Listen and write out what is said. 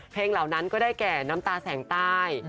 เหล่านั้นก็ได้แก่น้ำตาแสงใต้